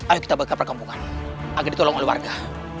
ayo kita balik ke perkampungan agar ditolong oleh warga